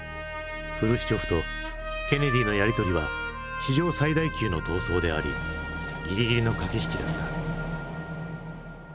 フルシチョフとケネディのやりとりは史上最大級の闘争でありギリギリの駆け引きだった。